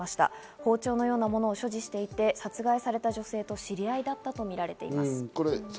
包丁のようなものを所持していて殺害された女性と知り合いだったとみられています。